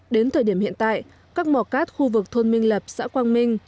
đến thời điểm hiện tại các mỏ cát khu vực thôn minh lập xã quang minh